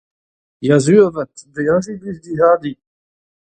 Ya, sur avat , beajiñ 'blij din hardi.